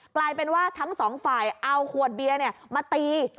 กลายเป็นว่าทั้งสองฝ่ายเอาขวดเบียร์มาตี